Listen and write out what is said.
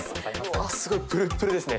あっ、すごいプルプルですね。